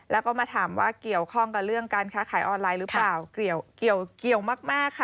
แล้วก็มาถามว่าเกี่ยวข้องกับเรื่องการค้าขายออนไลน์หรือเปล่าเกี่ยวมากค่ะ